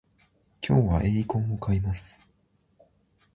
今日はエイコンを買います